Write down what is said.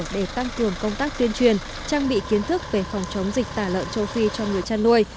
để tăng cường công tác tuyên truyền trang bị kiến thức về phòng chống dịch tả lợn châu phi cho người chăn nuôi